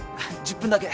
１０分だけ。